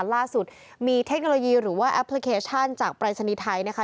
ล่าสุดมีเทคโนโลยีหรือว่าแอปพลิเคชันจากปรายศนีย์ไทยนะคะ